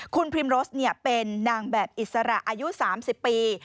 คุณพิมโรสเป็นนางแบบอิสระอายุ๓๐ปี